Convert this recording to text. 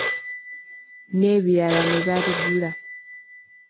N’ebibira ne baabigula.